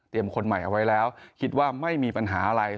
คนใหม่เอาไว้แล้วคิดว่าไม่มีปัญหาอะไร